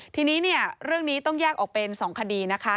ทีนี้เนี่ยเรื่องนี้ต้องแยกออกเป็น๒คดีนะคะ